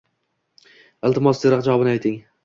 Iltimos, tezroq javobini ayting